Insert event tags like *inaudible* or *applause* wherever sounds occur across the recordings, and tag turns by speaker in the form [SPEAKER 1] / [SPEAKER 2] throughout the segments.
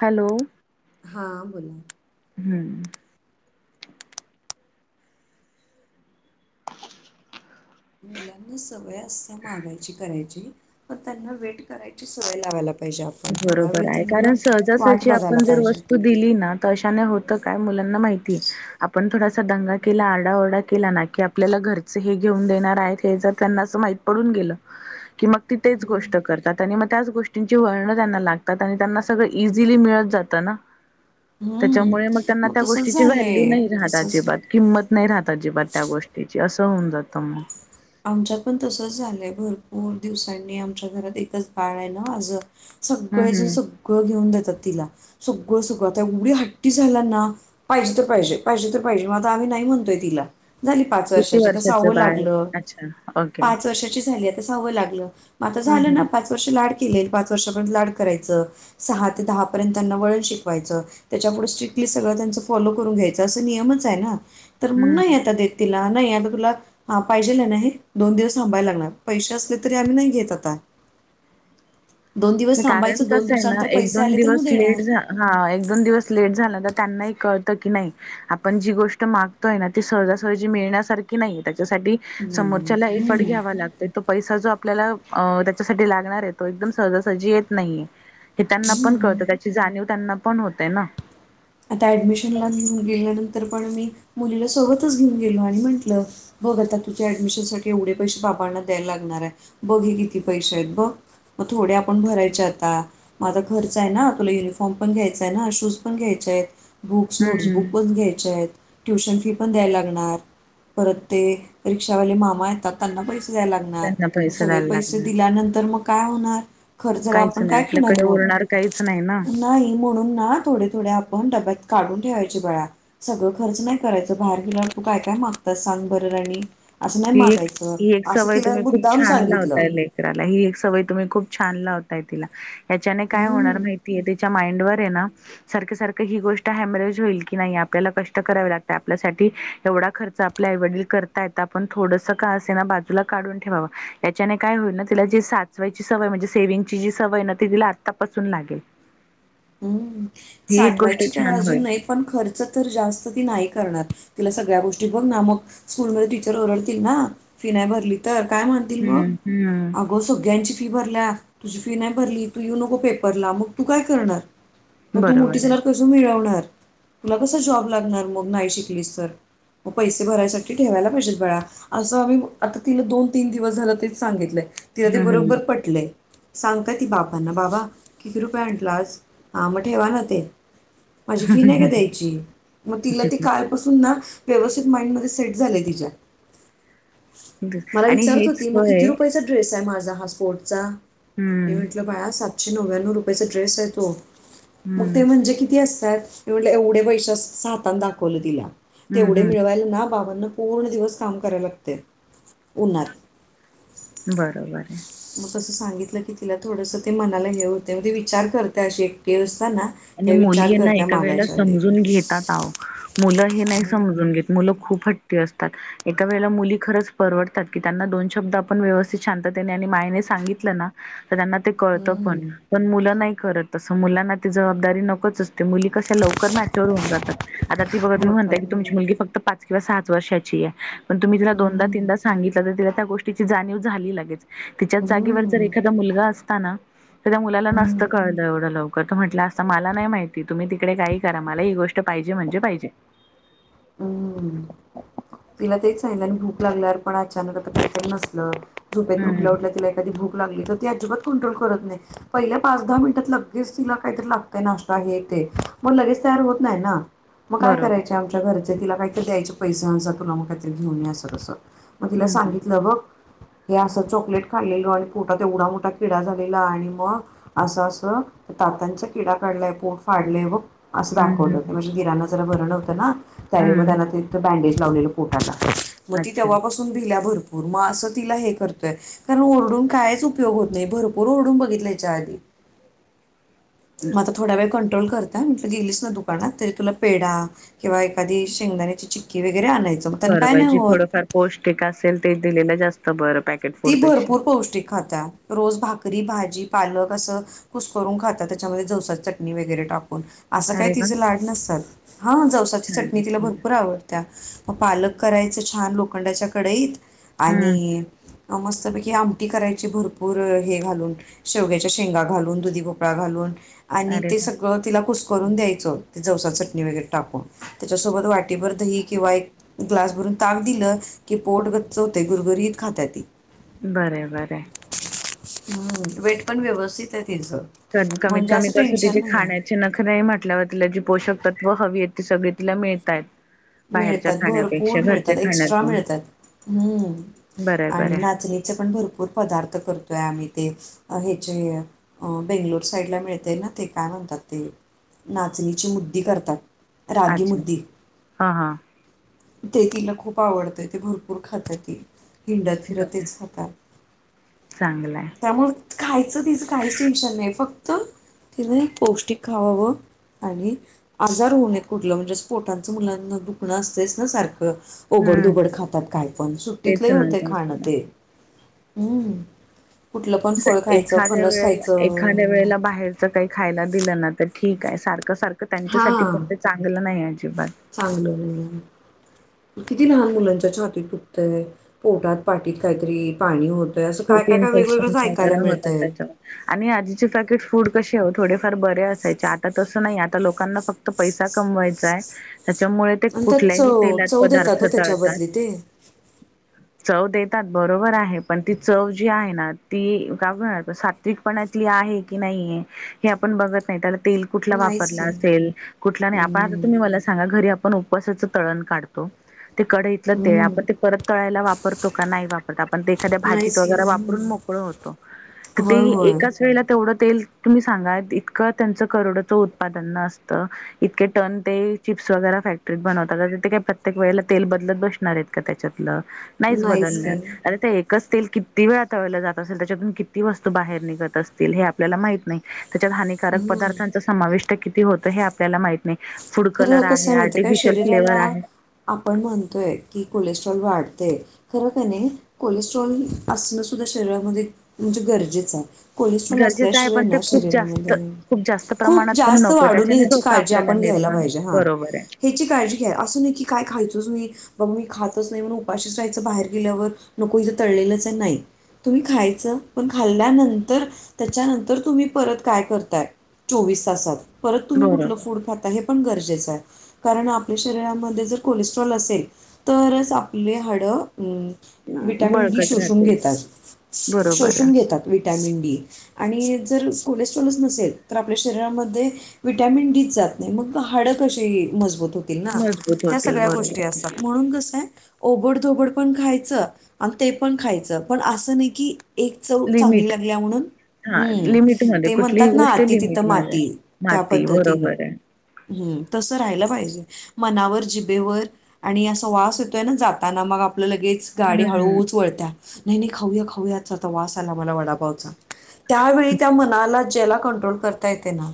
[SPEAKER 1] Hello.
[SPEAKER 2] हां बोला.
[SPEAKER 1] हम्म.
[SPEAKER 2] मुलांना सवय असत्या मागायची करायची, पण त्यांना वेट करायची सवय लावायला पाहिजे आपण थोडा
[SPEAKER 1] बरोबर
[SPEAKER 2] वेळ ती
[SPEAKER 1] आहे
[SPEAKER 2] मुलंं
[SPEAKER 1] कारण
[SPEAKER 2] वाट
[SPEAKER 1] सहजासहजी आपण
[SPEAKER 2] बघायला
[SPEAKER 1] जर
[SPEAKER 2] पाहिजे.
[SPEAKER 1] वस्तू दिली ना कशाने होतं काय मुलांना माहितीये. आपण थोडासा दंगा केला आरडाओरडा केला ना की आपल्याला घरचे हे घेऊन देणार आहेत हे जर त्यांना असं माहित पडून गेल, की मग ती तेच गोष्ट करतात आणि मं त्याच गोष्टिंची वळण त्याना लागतात आणि त्यांना सगळं इझिली मिळत जात न.
[SPEAKER 2] हम्म
[SPEAKER 1] त्याच्यामुळे म त्यांना
[SPEAKER 2] मग
[SPEAKER 1] त्या
[SPEAKER 2] तसच
[SPEAKER 1] गोष्टीची व्हॅल्यू
[SPEAKER 2] झालंय
[SPEAKER 1] नाही राहत
[SPEAKER 2] तसच
[SPEAKER 1] अजिबात किंमत नाही राहत अजिबात त्या गोष्टीची असं होऊन जातं म.
[SPEAKER 2] आमच्यात पण तसच झालंय भरपूर दिवसांनी आमच्या घरात एकच बाळ आहे ना आजून
[SPEAKER 1] हम्म
[SPEAKER 2] सगळंजन
[SPEAKER 1] हम्म
[SPEAKER 2] सगळं घेऊन देतात तिला, सगळं सगळं आता एवढी हट्टी झाल्या ना. पाहिजे ते पाहिजे पाहिजे ते पाहिजे म आता आम्ही नाही म्हणतोय तिला, झाली पाच
[SPEAKER 1] किती
[SPEAKER 2] वर्षाची, आता
[SPEAKER 1] वर्षाचं
[SPEAKER 2] सहावं
[SPEAKER 1] बाळ
[SPEAKER 2] लागलं.
[SPEAKER 1] अच्छा, ओके
[SPEAKER 2] पाच वर्षाची झाली आता सहावं लागलं मं आता
[SPEAKER 1] हम्म
[SPEAKER 2] झालं ना
[SPEAKER 1] हम्म
[SPEAKER 2] पाच वर्ष लाड केलेल. पाच वर्षापर्यंत लाड करायचं सहा ते दहा पर्यंत त्यांना वळण शिकवायचं त्याच्या पुुढे स्ट्रिक्टली सगळं त्यांच फॉलो करून घ्यायचं असं नियमच आहे ना. तर मग
[SPEAKER 1] हम्म
[SPEAKER 2] नाही आता देत तिला, नाही आता तुला पाहिजे नाहीत, दोन दिवस थांबायला लागणार पैसे असले तरी आम्ही नाही घेत आता. दोन दिवस
[SPEAKER 1] कारण
[SPEAKER 2] थांबायचं दोन
[SPEAKER 1] कसं आहे
[SPEAKER 2] दिवसां
[SPEAKER 1] ना
[SPEAKER 2] नंतर
[SPEAKER 1] एक
[SPEAKER 2] पैसे
[SPEAKER 1] दोन
[SPEAKER 2] आले तर मग
[SPEAKER 1] दिवस
[SPEAKER 2] देणार.
[SPEAKER 1] लेट झा हा, एक दोन दिवस लेट झाला तर त्यांनाही कळत की नाही आपण जी गोष्ट मागतोय ना ती सहजासहजी मिळण्यासारखी नाही त्याच्यासाठी
[SPEAKER 2] नाही
[SPEAKER 1] समोरच्याला एफट
[SPEAKER 2] हम्म.
[SPEAKER 1] घ्यावा लागतोय तो पैसा जो आपल्याला त्याच्यासाठी लागणार आहे तो एकदम सहजासहजी येत नाहीये हे त्यांना पण कळतं त्याची जाणीव त्यांना पण होतेय ना.
[SPEAKER 2] आता ॲडमिशनला घेऊन गेल्यानंतर पण मी मुलीला सोबतच घेऊन गेलो आणि म्हटलं बघ आता तुझ्या ऍडमिशन साठी एवढे पैसे बाबांना द्यायला लागणार हाय बघ हे किती पैसे आहेत बघ. मग थोडे आपण भरायचे आता माझा खर्च आहे ना तुला युनिफॉर्म पण घ्यायचांय ना शूज पण घ्यायच बुक्स नोट्सबुक
[SPEAKER 1] हम्म
[SPEAKER 2] पण घ्यायच्या आहेत ट्युशन फी पण द्यायला लागणार परत ते री रिक्षावाले मामा येतात त्यांना पैसे द्याय लागणार.
[SPEAKER 1] त्यांना पैसे
[SPEAKER 2] सगळे
[SPEAKER 1] द्यायला
[SPEAKER 2] पैसे
[SPEAKER 1] लागणार
[SPEAKER 2] दिल्यानंतर मग काय होणार. खर्च जरा
[SPEAKER 1] काहीच
[SPEAKER 2] आपण
[SPEAKER 1] नाही
[SPEAKER 2] काय
[SPEAKER 1] आपल्याकडे
[SPEAKER 2] खाणार मग,
[SPEAKER 1] उरणार काहीच नाही ना
[SPEAKER 2] नाही म्हणून ना थोडे थोडे आप पण डब्यात काढून ठेवायची बाळा. सगळं खर्च नाही करायचं बाहेर गेला तू काय, काय मागत सांग बरं राणी. असं नाही
[SPEAKER 1] ही एक
[SPEAKER 2] मागायचं
[SPEAKER 1] ही एक
[SPEAKER 2] असं
[SPEAKER 1] सवय
[SPEAKER 2] तिला
[SPEAKER 1] तुम्ही खूप
[SPEAKER 2] मुद्दाम
[SPEAKER 1] छान
[SPEAKER 2] सांगितलं
[SPEAKER 1] लावताय ही एक सवय तुम्ही खूप छान लावताय तिला याच्याने काय होणार
[SPEAKER 2] हम्म,
[SPEAKER 1] माहिती ती तिच्या माइंडवर हे ना सारख, सारख ही गोष्ट हॅमरेज होईल की नाही आपल्याला कष्ट करावे लागत आपल्यासाठी एवढा खर्च आपले आई वडील करताय, ताप पण थोडस का असे ना बाजूला काढून ठेवाव याच्याने काय होईल ना तिला जे साठवाचवायची सवय म्हणजे सेविंगची सवय ना तिला आत्तापासून लागेल
[SPEAKER 2] हम्म,
[SPEAKER 1] ही एक गोष्ट
[SPEAKER 2] साठवायची काय
[SPEAKER 1] छान होईल.
[SPEAKER 2] अजून नाही पण खर्च तर जास्त ती नाही करणार तिला सगळ्या गोष्टी बघ ना मग स्कूलमध्ये टीचर ओरडतील ना फी नाही भरली तर काय म्हणतील मग
[SPEAKER 1] हम्म हम्म
[SPEAKER 2] अगो सगळ्यांची फी भरल्या तुझी फी नाही भरली तू येऊ नको पेपरला मग तू काय करणार? मग तू मोठी
[SPEAKER 1] बरोबर आहे.
[SPEAKER 2] झाल्यावर कस मिळवणार? तुला कसं जॉब लागणार मग नाही शिकलीस तर मग पैसे भरायसाठी ठेवायला पाहिजेत बाळा. असं आम्ही आता तिला दोन तीन दिवस झालं तेच सांगितलंय. तिला ते
[SPEAKER 1] हम्म हम्म
[SPEAKER 2] बरोबर पटलेय सांगताय ती बाबांना बाबा किती रुपये आणलास? हा मग ठेवा ना ते, माझी फी नाही का द्यायची मग तिला ती काल ना व्यवस्थित माइंड मध्ये सेट झालय तिच्या मला
[SPEAKER 1] आणि
[SPEAKER 2] विचारत
[SPEAKER 1] हेच
[SPEAKER 2] होती मग किती
[SPEAKER 1] वय
[SPEAKER 2] रुपयाचा ड्रेस आहे माझा हा स्पोर्टचा मी
[SPEAKER 1] हम्म
[SPEAKER 2] म्हटलं बाळा सातशे नव्याण्णव रुपयचा ड्रेस आहे तो. मग
[SPEAKER 1] हम्म
[SPEAKER 2] ते म्हणजे किती असतात? म्हटलं एवढे पैसे हातान दाखवलं तिला.
[SPEAKER 1] हम्म
[SPEAKER 2] तेवढे
[SPEAKER 1] हम्म
[SPEAKER 2] मिळवायला ना बाबांना पूर्ण दिवस काम करायला लागतय. उन्हात
[SPEAKER 1] बरोबर हाय
[SPEAKER 2] मग तसं सांगितलं की तिला थोडस ते मनाला हे होतय मग ती विचार करत्या अशी एकटी असताना
[SPEAKER 1] आणि
[SPEAKER 2] त्या
[SPEAKER 1] मुली
[SPEAKER 2] विचार
[SPEAKER 1] यांना
[SPEAKER 2] करत्या
[SPEAKER 1] एका वेळेला
[SPEAKER 2] मागायच्या आधी
[SPEAKER 1] समजून घेतात आवं मुलं हे नाही समजून घेत. मुलं खूप हट्टी असतात एका वेळेला मुली खरच परवडतात की त्यांना दोन शब्द आपण व्यवस्थित शांततेने आणि मायेने सांगितलं ना त्यांना ते कळत पण, पण मुलं नाही करत अस मुलांना जबाबदारी नकोच अस मुली कशा लवकर मॅच्युर होऊ जातात, आता ती बघा तुम्ही म्हणता
[SPEAKER 2] होतात
[SPEAKER 1] की तुमची मुली
[SPEAKER 2] हम्म.
[SPEAKER 1] फक्त पा किंवा सात वर्षाची आहे, पण तुम्ही तिला दोनदा तीनदा सांगितलं, तर तिला त्या गोष्टीची जाणीव झाली लगेच. तिच्याच जागेवर जर
[SPEAKER 2] हम्म.
[SPEAKER 1] एखादा मुलगा असता ना, तर त्या मुलाला नसत
[SPEAKER 2] हम्म. हम्म.
[SPEAKER 1] कळत एवढं लव कोण त म्हटला, असता मला नाही माहिती तुम्ही तिकडे काही करा, मला ही गोष्ट पाहिजे म्हणजे पाहिजे.
[SPEAKER 2] हम्म! तिला ते सांगितलं आणि भूक लागल्या वर पण अचानक आता काहीत नसलं. झोपेतून
[SPEAKER 1] हम्म
[SPEAKER 2] उठल्या उठल्या एखादी भूक लागली, तर ती अजिबात कंट्रोल करत नाही. पहिल्या पाच दहा मिनिटात लगेच तिला काहीतरी लागतं, नाश्ता हे ते मग लगेच तयार होत नाही ना. मग काय
[SPEAKER 1] बरोबर.
[SPEAKER 2] करायचे, आमच्या घरचे तिला काहीतरी द्यायचे पैसे हा जा मग तुला काहीतरी घेऊन असं तसं. मग तिला
[SPEAKER 1] हं, हं.
[SPEAKER 2] सांगितलं बघ. हे असं चॉकलेट खाल्लेल आणि पोटात एवढा मोठा किडा झालेला, आणि मग असं असं तात्यांचा किडा काढलाय, पोट फाडलाय ब असं
[SPEAKER 1] हं, हं,
[SPEAKER 2] दाखवलं
[SPEAKER 1] हं.
[SPEAKER 2] म्हणजे, दिरांना जरा बरं नव्हतं ना त्यावेळी म
[SPEAKER 1] हं,
[SPEAKER 2] त्यांना
[SPEAKER 1] हं.
[SPEAKER 2] ते बँडेज लावलेलं पोटाला मग ती
[SPEAKER 1] अच्छा.
[SPEAKER 2] तेव्हापासून भिल्या भरपूर मग असं तिला हे करतोय. कारण, ओरडून कायच उपयोग होत नाही, भरपूर ओरडून बघितलय हेच्या आधी. मग आता थोडा वेळ कंट्रोल करत्या, म म्हटल गेलीस ना दुकानात तरी तुला पेडा किंवा एखादी शेंगदाण्याची चिक्की वगैरे आ आणायचं, मग त्यान काय
[SPEAKER 1] बरोबर
[SPEAKER 2] नाही
[SPEAKER 1] जी
[SPEAKER 2] होत.
[SPEAKER 1] थोडंफार पौष्टिक असेल ते दिलेलं जास्त बरं. पॅकेट
[SPEAKER 2] ती
[SPEAKER 1] फूडपेक्षा.
[SPEAKER 2] भरपूर पौष्टिक खात्या, रोज भाकरी, भाजी, पालक असं. कुस्करून खात्या त्याच्यामध्ये जवसा चटणी वगैरे टाकून. असं
[SPEAKER 1] अरे
[SPEAKER 2] काही
[SPEAKER 1] वाह!
[SPEAKER 2] तिचे लाड नसतात, हा जवसाची
[SPEAKER 1] छान आहे,
[SPEAKER 2] चटणी तिला
[SPEAKER 1] छान आहे.
[SPEAKER 2] भरपूर आवडते. त्या मग पालक करायचं, छान लोखंडाच्या कडईत
[SPEAKER 1] हं,
[SPEAKER 2] आणि
[SPEAKER 1] हं.
[SPEAKER 2] मस्तपैकी आमटी करायची भरपूर हे घालून शेवग्याच्या शेंगा घालून, दुधी गोपळा घालून आणि
[SPEAKER 1] अरे
[SPEAKER 2] ते
[SPEAKER 1] वाह!
[SPEAKER 2] सग सगळ तिला कुस्करून द्यायचं जवसा चटणी वगैरे टाकून, त्याच्या सोबत वाटीभर दही किंवा एक ग्लास भरून ताक दिलं की पोट गच्च होतेय, गरगरीत खात्या ती.
[SPEAKER 1] बरयं बरयं.
[SPEAKER 2] हम्म! वेट पण व्यवस्थित आहे तिचं.
[SPEAKER 1] कमीत
[SPEAKER 2] म्हणजे
[SPEAKER 1] कमी
[SPEAKER 2] असं
[SPEAKER 1] कसं
[SPEAKER 2] टेन्शन
[SPEAKER 1] तिचे
[SPEAKER 2] नाही आहे
[SPEAKER 1] खाण्याचे नखरे आहे म्हटल्यावर त पोषक तत्व हवी आहेत, ते सगळे तिला मिळतायेत.
[SPEAKER 2] मिळतात भरपूर मिळतात, एक्स्ट्रा
[SPEAKER 1] खाण्यातून.
[SPEAKER 2] मिळतात. हम्म!
[SPEAKER 1] बरं आहे,
[SPEAKER 2] आणि
[SPEAKER 1] बरं आहे.
[SPEAKER 2] नाचणीचे पण भरपूर पदार्थ करतोय, आम्ही ते ह्याचे अ बेंगलोर साईडला मिळते ना, ते काय म्हणतात ते नाचणीची मुद्धी करतात. रागी
[SPEAKER 1] अच्छा!
[SPEAKER 2] मुद्दी
[SPEAKER 1] हा हा.
[SPEAKER 2] ते तिला खूप आवडतयं, ते भरपूर खात्या ती. हिंडत फिरतच
[SPEAKER 1] बघा
[SPEAKER 2] तेच खातात
[SPEAKER 1] चांगलाय
[SPEAKER 2] त्यामुळ खायचं तिचं काहीच टेन्शन नाही, फक्त तिन एक पौष्टिक खावावं. आणि आजार होऊ नये कुठलं, म्हणजे असं पोटाचं मुलांना दुखण असतेच ना सारखं ओबड
[SPEAKER 1] हम्म
[SPEAKER 2] दोबड खातात, काय पण सुट्टीत लय
[SPEAKER 1] तेच ना
[SPEAKER 2] होतय
[SPEAKER 1] तेच
[SPEAKER 2] खाणं
[SPEAKER 1] ना
[SPEAKER 2] ते. हम.
[SPEAKER 1] असं एखाद्या वेळेला एखाद्या वेळेला बाहेर काही खायला दिलं ना तर ठीक आहे, सारखं सारखं त्यांच्यासाठी
[SPEAKER 2] हा
[SPEAKER 1] पण ते चांगलं नाही अजिबात.
[SPEAKER 2] चांगलं नाही. किती लहान मुलांच्या छातीत दुखतंय, पोटात पाटीत काहीतरी पाणी होतय, असं काय
[SPEAKER 1] खूप
[SPEAKER 2] काय काय वेगवेगळंच
[SPEAKER 1] इन्फेक्शन्स
[SPEAKER 2] ऐकायला
[SPEAKER 1] वगैरे होतात
[SPEAKER 2] मिळतयं.
[SPEAKER 1] त्याच्यामुळे आणि आधीचे पॅकेट फूड कसे ओ थोडेफार बरे असायचे आता तसं नाही, आता लोकांना फक्त पैसा कमवायचा आहे, त्याच्यामुळे ते
[SPEAKER 2] आणि त्यात
[SPEAKER 1] कुठल्याही
[SPEAKER 2] चव
[SPEAKER 1] तेलात
[SPEAKER 2] चव देतात
[SPEAKER 1] पदार्थ
[SPEAKER 2] हो त्याच्या
[SPEAKER 1] तळतात.
[SPEAKER 2] बदली ते
[SPEAKER 1] चव देतात बरोबर आहे. पण ती चव जी आहे न, ती *unintelligible* प सात्विक पणातली आहे की नाहीये हे आपण बघत नाही, त्याला तेल कुठला
[SPEAKER 2] नाहीच
[SPEAKER 1] वापरला
[SPEAKER 2] की
[SPEAKER 1] असेल कुठला नाही आपण आता तुम्ही मला सांगा घरी आपण उपवासाच तळण काढतो, ते कढईत ते आपण ते परत तळायला वापरतो का नाही वापरत आपण ते एखाद्या भाजीत
[SPEAKER 2] नाहीच
[SPEAKER 1] वैगेरे
[SPEAKER 2] घेईन
[SPEAKER 1] वापरून मोकळे होतो ते
[SPEAKER 2] होय
[SPEAKER 1] हि
[SPEAKER 2] होय
[SPEAKER 1] एकाच तेवढं तेल तुम्ही सांगा इतकं त्यांच करोडचं उत्पादन नसतं इतके टन ते चिप्स वगैरे फॅक्टरीत बनवतात ते काय प्रत्येक वेळेला तेल बदलत बसणार आहेत त्याच्यातल नाहीच बदलणार अरे ते एक कस तेल किती वेळ तळलं जात असेल त्याच्यातून किती वस्तू बाहेर निघत असतील हे आपल्याला माहित नाही त्याच्यात हानिकारक
[SPEAKER 2] हम्म.
[SPEAKER 1] पदार्थांच समाविष्ट किती होतं हे आपल्याला माहित नाही फूड कलर
[SPEAKER 2] खरं कसं
[SPEAKER 1] आहे
[SPEAKER 2] माहिती का
[SPEAKER 1] आर्टिफिशियल फ्लेवर
[SPEAKER 2] शरीराला
[SPEAKER 1] आहे
[SPEAKER 2] आपण म्हणतोय की कोलेस्ट्रॉल वाढतय खर कणी कोलेस्ट्रॉल असणं सुद्धा शरीरामध्ये म्हणजे गरजेचं आहे कोलेस्ट्रॉल
[SPEAKER 1] गरजेचं आहे
[SPEAKER 2] असल्याशिवाय
[SPEAKER 1] पण ते
[SPEAKER 2] ना
[SPEAKER 1] खूप जास्त
[SPEAKER 2] शरीरामध्ये
[SPEAKER 1] खूप जास्त
[SPEAKER 2] खूप
[SPEAKER 1] प्रमाणात पण
[SPEAKER 2] जास्त
[SPEAKER 1] नको
[SPEAKER 2] वाढून नये
[SPEAKER 1] त्याच्याने
[SPEAKER 2] ह्याची
[SPEAKER 1] धोका
[SPEAKER 2] काळजी
[SPEAKER 1] आपल्याला
[SPEAKER 2] आपण घ्यायला पाहिजे
[SPEAKER 1] निर्माण
[SPEAKER 2] म्हणजे
[SPEAKER 1] होतो
[SPEAKER 2] हा
[SPEAKER 1] बरोबर आहे
[SPEAKER 2] हयाची काळजी घ्या असं नाही की काय खायचंच वय बघ मी खातच नाही म्हणून उपाशीच राहायचं बाहेर गेल्यावर नको इथं तळलेलंच नाही तुम्ही खायचं पण खाल्ल्यानंतर त्याच्यानंतर तुम्ही परत काय करताय चोवीस तासात परत तुम्ही कुठलं फूड
[SPEAKER 1] बरोबर
[SPEAKER 2] खाता हे पण गरजेचं आहे कारण आपल्या शरीरामध्ये जर कोलेस्ट्रॉल असेल तरच आपली हाडं अ विटॅमिन डी
[SPEAKER 1] बळकट
[SPEAKER 2] शोषून
[SPEAKER 1] राहतील
[SPEAKER 2] घेतात
[SPEAKER 1] बरोबर
[SPEAKER 2] शोषून
[SPEAKER 1] आहे
[SPEAKER 2] घेतात विटॅमिन डी आणि जर कोलेस्ट्रॉलच नसेल तर आपल्या शरीरामध्ये विटॅमिन डीच जात नाही मग हाड कशीही मजबूत होतील ना
[SPEAKER 1] मजबूत
[SPEAKER 2] ह्या
[SPEAKER 1] होतील
[SPEAKER 2] सगळ्या गोष्टी
[SPEAKER 1] बरोबर
[SPEAKER 2] असतात म्हणून कस आहे ओबडधोबड पण खायचं आणि ते पण खायचं पण असं नाही की एक चव चांगली
[SPEAKER 1] लिमिट
[SPEAKER 2] लागलिया म्हणून
[SPEAKER 1] हा
[SPEAKER 2] हम्म
[SPEAKER 1] लिमिटमध्ये
[SPEAKER 2] ते
[SPEAKER 1] कुठलीही
[SPEAKER 2] म्हणतात ना
[SPEAKER 1] गोष्ट
[SPEAKER 2] आती तिथं
[SPEAKER 1] लिमिटमध्ये
[SPEAKER 2] माती त्या
[SPEAKER 1] माती
[SPEAKER 2] पद्धतीनं
[SPEAKER 1] बरोबर आहे
[SPEAKER 2] हम् तसं राहिलं पाहिजे मनावर जिभेवर आणि असा वास येतोय ना जाताना मग आपलं लगेच गाडी
[SPEAKER 1] हम्म
[SPEAKER 2] हळूच वळत्या नाही नाही खाऊया खाऊयाच आता वास आला मला वडापावचा त्यावेळी त्या मनाला ज्याला कंट्रोल करता येते ना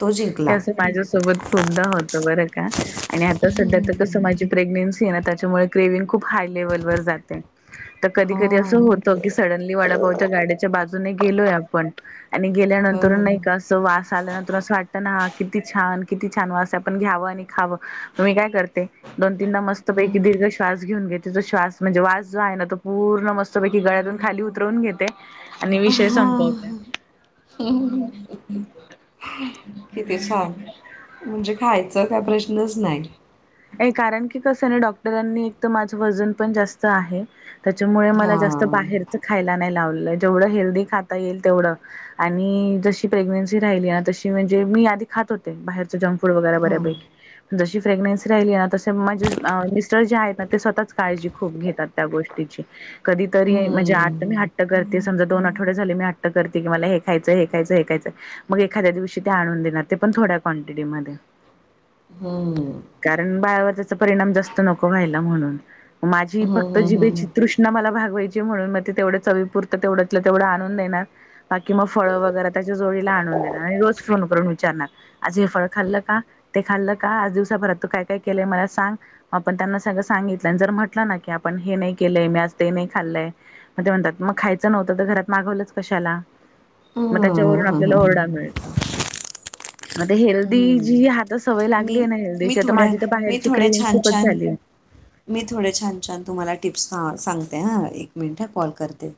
[SPEAKER 2] तो जिंकला.
[SPEAKER 1] हेंअसं माझ्यासोबत खूपदा होतं बरं का आणि आता सध्या तर कस माझी प्रेग्नेन्सी आहे ना त्याच्यामुळे क्रेविगं खूप हाय लेवलवर जाते तर कधी कधी असं
[SPEAKER 2] हां,
[SPEAKER 1] होत की सडनली वडापावच्या गाड्याच्या बाजूने गेलोय आपण आणि गेल्यानंतर नाही
[SPEAKER 2] हं.
[SPEAKER 1] का असं वास आल्यानंतर असं वाटत ह किती छान किती छान वास आपण घ्यावं आणि खावं मी काय करते दोन तीनदा मस्तपैकी दीर्घ श्वास घेऊन घेते तिचा श्वास म्हणजे वास जो आहे ना तो पूर्ण मस्तपैकी गळ्यातून खाली उतरवून घेते आणि विषय संपवतीत्या
[SPEAKER 2] किती छान म्हणजे खायचा काय प्रश्नच नाहीत
[SPEAKER 1] कारण की कसं ना डॉक्टरांनी एक तर माझं वजन पण जास्त आहे त्याच्यामुळे मला जास्त
[SPEAKER 2] हां,
[SPEAKER 1] बाहेरच खायला नाही लावलं जेवढं हेल्दी खाता येईल तेवढं आणि जशी प्रेग्नेन्सी राहिली ना तशी म्हणजे मी आधी खात होते बाहेर जंक फूड वगैरे
[SPEAKER 2] हं.
[SPEAKER 1] बऱ्यापैकी जशी प्रेगरन्सी तसे माझे मिस्टर जे आहेत ना ते स्वतःच काळजी खूप घेतात त्या गोष्टीची कधीतरी म्हणजे आठ
[SPEAKER 2] हं,
[SPEAKER 1] घाट त करते समजा दोन आठवडे झाले मी हट्ट करते की मला हे खायचं हे खायचं हे खायचं मग एखाद्या दिवशी ते आणून देणार ते पण थोड्या क्वांटिटी मधे.
[SPEAKER 2] हम्म.
[SPEAKER 1] कारण बाळावर त्याचा परिणाम जास्त नको व्हायला म्हणून माझी
[SPEAKER 2] हं,
[SPEAKER 1] फक्त
[SPEAKER 2] हं, हं.
[SPEAKER 1] जिबेची तृ मला भागवायची म्हणून मग तेवढे चवीपुरत तेवढंतल तेवढं आणून देणार बाकी मग फळं वगैरे त्याच्या जोडीला आणून देणार आणि रोज फोन करून विचारणार आज हे फळ खाल्लं का ते खाल्ल का आज दिवसाभरात तू काय काय केलंय मला सांग आपण त्यांना सगळं सांगितलं आणि जर म्हटलं ना की आपण हे नाही केलंय मी आज ते नाही खाल्लंय म ते म्हणतात मग खायचं नव्हतं तर घरात मागवलंच कशाला. मग
[SPEAKER 2] हं,
[SPEAKER 1] त्याच्यावरून
[SPEAKER 2] हं,
[SPEAKER 1] आपल्याला
[SPEAKER 2] हं, हं.
[SPEAKER 1] ओरडा मिळतो. म आता हेल्दी जी
[SPEAKER 2] हं.
[SPEAKER 1] आता सवय लागली
[SPEAKER 2] मी
[SPEAKER 1] आहे ना हेल्दी
[SPEAKER 2] मी थोड्या मी थोड्या छान छान मी थोडे छान छान तुम्हाला टिप्स आ सांगते हा एक मिनिट ह कॉल करते.